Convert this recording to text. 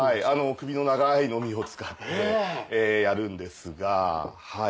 首の長いノミを使ってやるんですがはい。